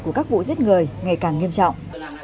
của các vụ giết người ngày càng nghiêm trọng